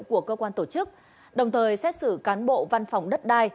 của cơ quan tổ chức đồng thời xét xử cán bộ văn phòng đất đai